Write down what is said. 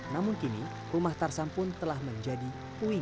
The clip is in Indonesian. namun kini rumah tarsam pun telah menjadi puing